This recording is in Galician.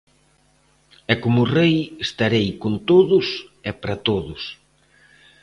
E como rei estarei con todos e para todos.